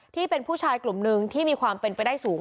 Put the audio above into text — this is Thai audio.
ที่เป็นผู้ชายกลุ่มหนึ่งที่มีความเป็นไปได้สูง